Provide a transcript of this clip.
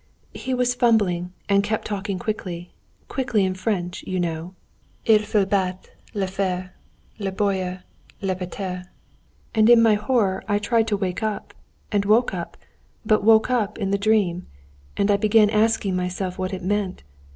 "He was fumbling and kept talking quickly, quickly in French, you know: Il faut le battre, le fer, le broyer, le pétrir.... And in my horror I tried to wake up, and woke up ... but woke up in the dream. And I began asking myself what it meant.